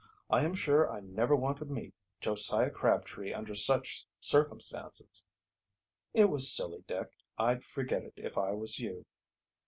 "I am sure I never want to meet Josiah Crabtree under such circumstances." "It was silly, Dick I'd forget it if I was you."